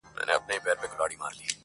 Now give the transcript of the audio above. تباه كړي مي څو شلي كندوگان دي!.